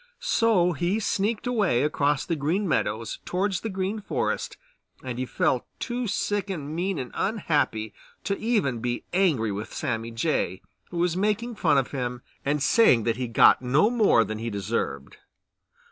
So he sneaked away across the Green Meadows towards the Green Forest and he felt too sick and mean and unhappy to even be angry with Sammy Jay, who was making fun of him and saying that he had got no more than he deserved.